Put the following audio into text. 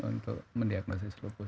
untuk mendiagnosis lupus